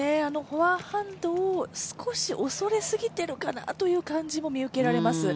フォアハンドを少し恐れすぎているかなという感じも見受けられます。